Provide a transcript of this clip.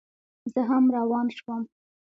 زه هم روان شوم.